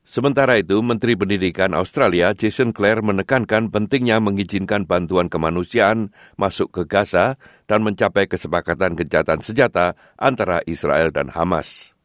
sementara itu menteri pendidikan australia jason clare menekankan pentingnya mengizinkan bantuan kemanusiaan masuk ke gasa dan mencapai kesepakatan kejahatan sejata antara israel dan hamas